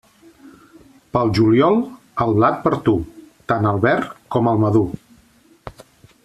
Pel juliol, el blat per tu, tant el verd com el madur.